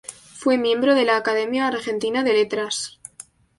Fue miembro de la Academia Argentina de Letras.